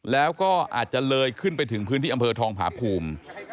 แล้วก็อาจจะเลยขึ้นไปถึงพื้นที่อำเภอทองผาภูมิ